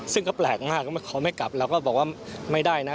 ซึ่งก็แปลกมากเขาไม่กลับเราก็บอกว่าไม่ได้นะ